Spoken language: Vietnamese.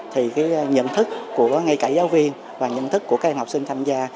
thì nhận thức của ngay cả giáo viên và nhận thức của các học sinh tham gia